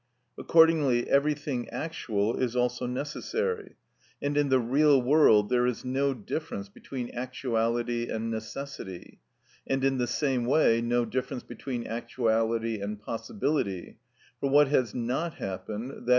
Accordingly everything actual is also necessary, and in the real world there is no difference between actuality and necessity, and in the same way no difference between actuality and possibility; for what has not happened, _i.